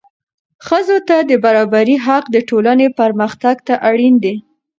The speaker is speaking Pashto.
ښځو ته د برابرۍ حق د ټولنې پرمختګ ته اړین دی.